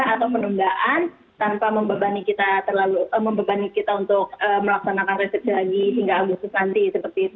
atau penundaan tanpa membebani kita untuk melaksanakan resepsi lagi hingga agustus nanti